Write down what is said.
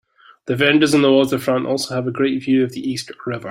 The vendors on the waterfront also have a great view of the East River.